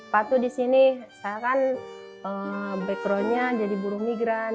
patuh di sini saya kan backgroundnya jadi burung migran